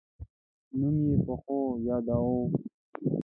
نوم یې په ښو یاداوه.